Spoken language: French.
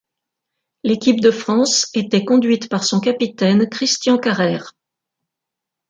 L’équipe de France était conduite par son capitaine Christian Carrère.